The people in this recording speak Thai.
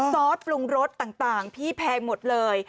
ซอสปรุงรสต่างพี่แพงหมดเลย